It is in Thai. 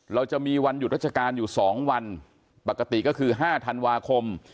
เราจะมีวันหยุดราชการอยู่๒วันปกติก็คือ๕ธันวาคม